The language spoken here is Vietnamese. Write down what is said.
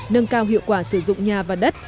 nâng cao hiệu quả sử dụng nhà và đất